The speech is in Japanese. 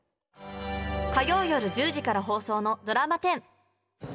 火曜夜１０時から放送の「ドラマ１０」。